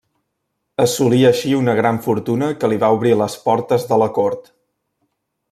Assolí així una gran fortuna que li va obrir les portes de la Cort.